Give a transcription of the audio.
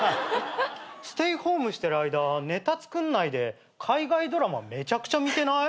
ステイホームしてる間ネタ作んないで海外ドラマめちゃくちゃ見てない？